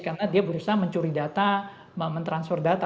karena dia berusaha mencuri data mentransfer data